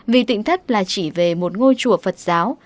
vì tỉnh thất là chỉ về một ngôi chùa phật giáo